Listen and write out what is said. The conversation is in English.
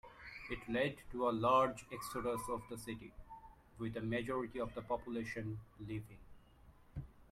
It led to a large exodus of the city, with a majority of the population leaving.